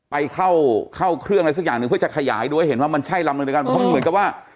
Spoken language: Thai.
ไปเข้าเข้าเครื่องอะไรสักอย่างหนึ่งเพื่อจะขยายด้วยเห็นว่ามันใช่ลำหนึ่งด้วยกันเพราะมันเหมือนกับว่า